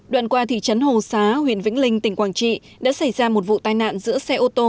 đoạn qua thị trấn hồ xá huyện vĩnh linh tỉnh quảng trị đã xảy ra một vụ tai nạn giữa xe ô tô